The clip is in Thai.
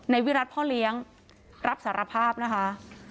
วิรัติพ่อเลี้ยงรับสารภาพนะคะ